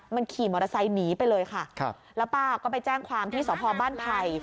มันขี่มอเตอร์ไซค์หนีไปเลยค่ะแล้วป้าก็ไปแจ้งความที่สพบ้านไผ่